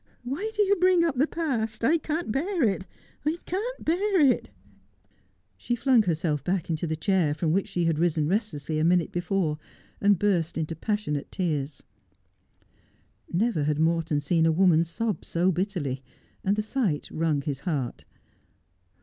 Why do you bring up the past? I can't bear it — I can't bear it.' She thing herself back into the chair, from which she had ri. .eu restlessly a minute before, and burst into passionate tears. rs ever had Morton seen a woman sob so bitterly, and the sight wrung his heart.